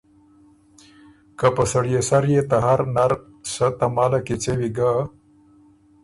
که په ”سړيې سر“ يې ته هر نر سۀ تماله کیڅېوی ګۀ